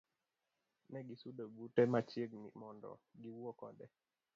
Negisudo bute machiegni mondo giwuo kode.